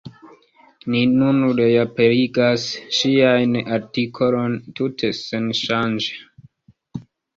Ni nun reaperigas ŝian artikolon tute senŝanĝe.